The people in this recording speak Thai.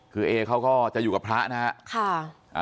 คือเอเขาก็จะอยู่กับพระนะครับ